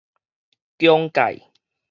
疆界